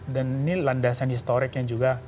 dan ini landasan historik yang juga